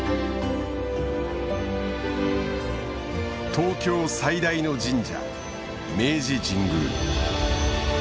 東京最大の神社明治神宮。